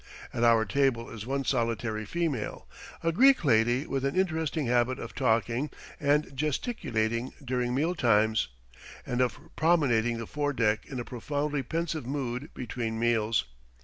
At our table is one solitary female, a Greek lady with an interesting habit of talking and gesticulating during meal times, and of promenading the fore deck in a profoundly pensive mood between meals.